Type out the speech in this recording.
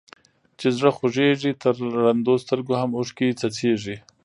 چي زړه خوږيږي تر ړندو سترګو هم اوښکي څڅيږي.